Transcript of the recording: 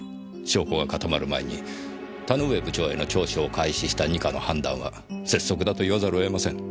証拠が固まる前に田ノ上部長への聴取を開始した二課の判断は拙速だと言わざるをえません。